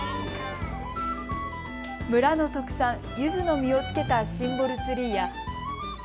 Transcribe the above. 村の特産、ゆずの実をつけたシンボルツリーや。